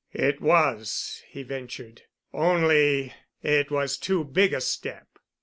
"It was," he ventured, "only it was too big a step."